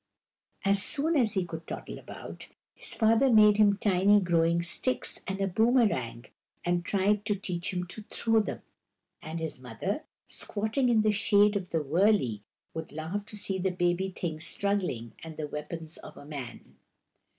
As soon as he could toddle about, his father made him tiny throwing sticks and a boomerang, and tried to teach him to throw them ; and his mother, squatting in the shade of the wurley, would laugh to see the baby thing struggling with the weapons of a man.